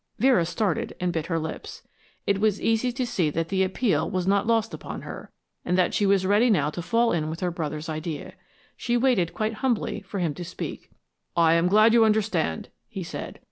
Vera started and bit her lips. It was easy to see that the appeal was not lost upon her, and that she was ready now to fall in with her brother's idea. She waited quite humbly for him to speak. "I am glad you understand," he said.